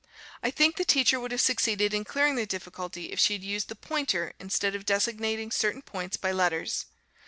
I think the teacher would have succeeded in clearing the difficulty if she had used the pointer instead of designating certain points by letters.